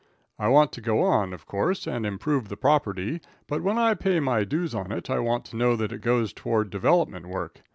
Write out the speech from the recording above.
I want to go on, of course, and improve the property, but when I pay my dues on it I want to know that it goes toward development work.